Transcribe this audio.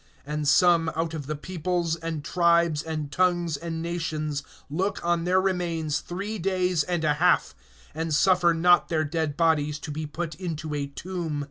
(9)And some out of the peoples, and tribes, and tongues, and nations, look on their remains three days and a half, and suffer not their dead bodies to be put into a tomb.